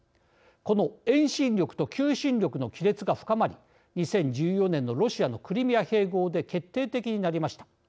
この遠心力と求心力の亀裂が深まり２０１４年のロシアのクリミア併合で決定的になりました。